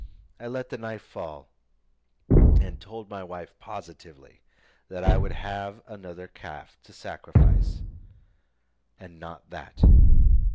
I let the knife fall, and told my wife positively that I would have another calf to sacrifice, and not that.